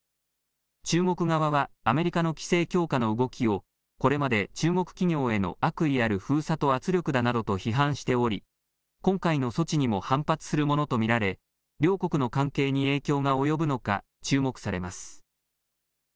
中国側はアメリカの規制強化の動きをこれまで中国企業への悪意ある封鎖と圧力だなどと批判しており、今回の措置にも反発するものと見られ両国の関係に影響が及ぶのか注目されます。